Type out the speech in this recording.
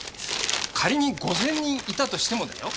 仮に５千人いたとしてもだよ？